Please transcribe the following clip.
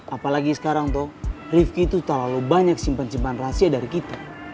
apalagi sekarang tuh rifki itu terlalu banyak simpan simpan rahasia dari kita